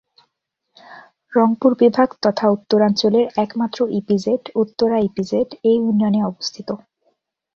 রংপুর বিভাগ তথা উত্তরাঞ্চলের একমাত্র ইপিজেড উত্তরা ইপিজেড এ ইউনিয়নে অবস্থিত।